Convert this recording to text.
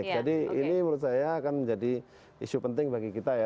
jadi ini menurut saya akan menjadi isu penting bagi kita ya